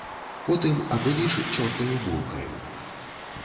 Потым апыліш цёртаю булкаю.